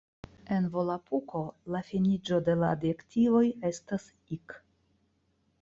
En Volapuko la finiĝo de la adjektivoj estas "-ik".